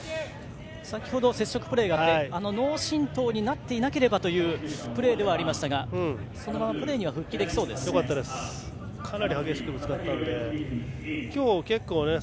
先ほど接触プレーがあって脳震とうになっていなければというプレーでしたが、そのまま復帰できそうです。